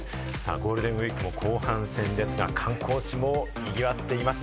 ゴールデンウイークも後半戦ですが、観光地もにぎわっています。